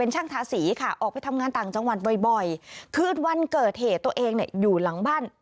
จังหวันบ่อยคืนวันเกิดเหตุตัวเองอยู่หลังบ้าน